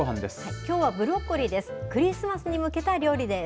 きょうはブロッコリーです。